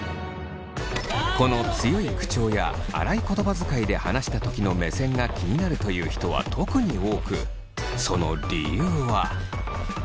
この強い口調や荒い言葉遣いで話したときの目線が気になるという人は特に多くその理由は。